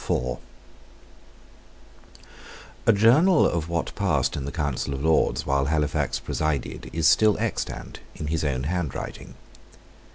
A journal of what passed in the Council of Lords while Halifax presided is still extant in his own handwriting.